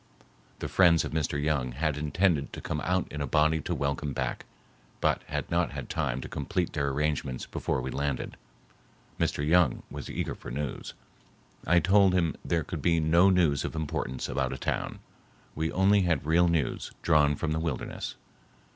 The friends of Mr. Young had intended to come out in a body to welcome him back, but had not had time to complete their arrangements before we landed. Mr. Young was eager for news. I told him there could be no news of importance about a town. We only had real news, drawn from the wilderness.